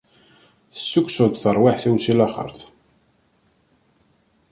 Tessukkseḍ-d tarwiḥt-iw si laxert.